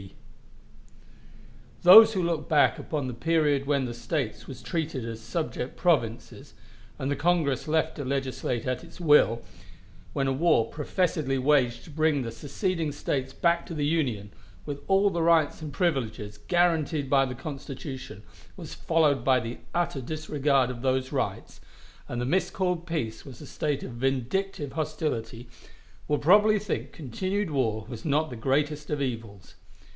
Those who look back upon the period when the States were treated as subject provinces, and the Congress left to legislate at its will when a war professedly waged to bring the seceding States back to the Union, with all the rights and privileges guaranteed by the Constitution, was followed by the utter disregard of those rights, and the miscalled peace was a state of vindictive hostility will probably think continued war was not the greatest of evils.